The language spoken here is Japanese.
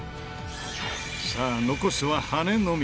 さあ残すは羽根のみ。